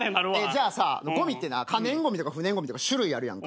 じゃあさごみってな可燃ごみとか不燃ごみとか種類あるやんか。